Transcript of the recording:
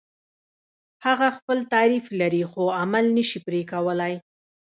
هغه خپل تعریف لري خو عمل نشي پرې کولای.